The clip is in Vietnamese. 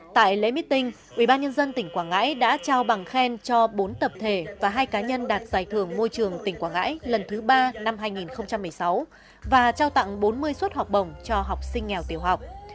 tại lễ meeting ubnd tỉnh quảng ngãi đã trao bằng khen cho bốn tập thể và hai cá nhân đạt giải thưởng môi trường tỉnh quảng ngãi lần thứ ba năm hai nghìn một mươi sáu và trao tặng bốn mươi suất học bổng cho học sinh nghèo tiểu học